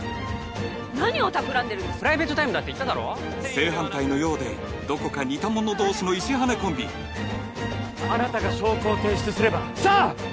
何をたくらんでるんですかプライベートタイムだって言っただろ正反対のようでどこか似た者同士の石羽コンビあなたが証拠を提出すればさあ！